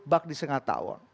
bak di sengat tahun